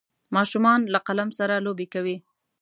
ماشومان له قلم سره لوبې کوي.